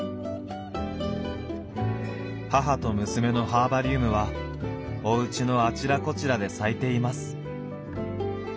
母と娘のハーバリウムはおうちのあちらこちらで咲いています。